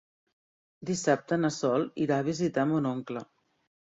Dissabte na Sol irà a visitar mon oncle.